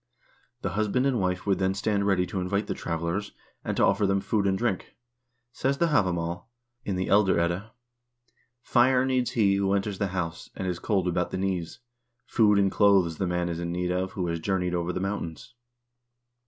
The husband and wife would then stand ready to invite the travelers, and to offer them food and drink. Says the "Havamal," in the "Elder Edda" : "Fire needs he who enters the house and is cold about the knees ; food and clothes the man is in need of who has journeyed over the mountains."